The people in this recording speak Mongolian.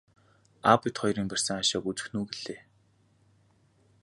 Аав бид хоёрын барьсан хашааг үзэх нь үү гэлээ.